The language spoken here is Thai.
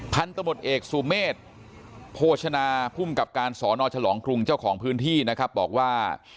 พันธบทเอกสุเมษโภชนาภูมิกับการสอนอฉลองกรุงเจ้าของพื้นที่นะครับบอกว่า